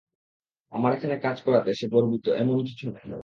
আমার এখানে কাজ করাতে সে গর্বিত- এমন কিছু না।